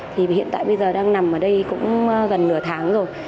thì hiện tại bây giờ đang nằm ở đây cũng gần nửa tháng rồi